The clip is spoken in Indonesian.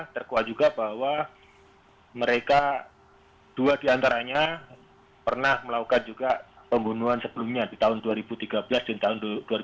terkuat juga bahwa mereka dua diantaranya pernah melakukan juga pembunuhan sebelumnya di tahun dua ribu tiga belas dan tahun dua ribu tujuh belas